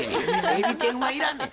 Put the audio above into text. エビ天はいらんねん。